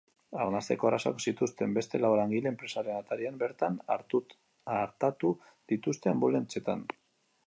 Arnasteko arazoak zituzten beste lau langile enpresaren atarian bertan artatu dituzte, anbulantzietan.